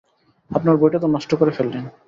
আপনার বইটা তো নষ্ট করে ফেললেন।